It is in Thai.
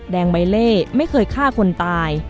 แดงใบเล่ไม่เคยฆ่าคนตาย